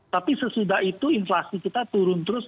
tapi sesudah itu inflasi kita turun terus